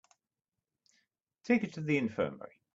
Take her to the infirmary.